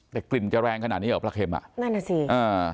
แต่กลิ่นจะแรงขนาดนี้เหรอปลาเข็มอ่ะนั่นน่ะสิอ่า